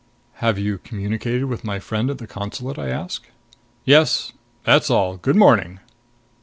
"Have you communicated with my friend at the consulate?" I asked. "Yes. That's all. Good morning."